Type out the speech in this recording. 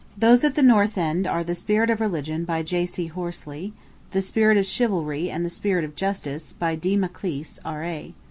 Those at the north end are 'the Spirit of Religion,' by J.C. Horsley; 'the Spirit of Chivalry' and 'the Spirit of Justice,' by D. Maclise, R.A.